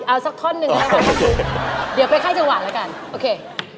เอาสักท่อนหนึ่งนะครับผมเดี๋ยวไปไข้จังหวัดแล้วกันโอเค